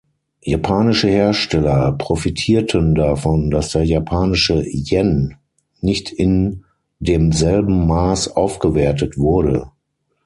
Japanische Hersteller profitierten davon, dass der Japanische Yen nicht in demselben Mass aufgewertet wurde.